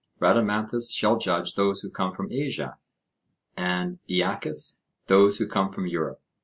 Rhadamanthus shall judge those who come from Asia, and Aeacus those who come from Europe.